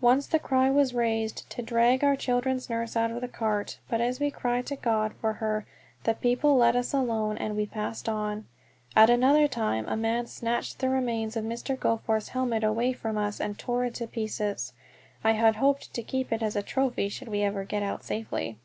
Once the cry was raised to drag our children's nurse out of the cart; but as we cried to God for her the people let us alone, and we passed on. At another time a man snatched the remains of Mr. Goforth's helmet away from us, and tore it to pieces. I had hoped to keep it as a trophy should we ever get out safely.